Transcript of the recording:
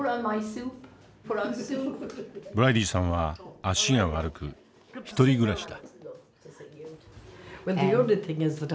ブライディさんは足が悪く１人暮らしだ。